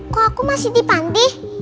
kok aku masih di pandih